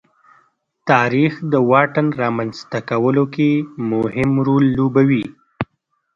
تاریخ د واټن رامنځته کولو کې مهم رول لوبوي.